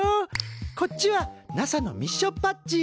こっちはＮＡＳＡのミッションパッチ。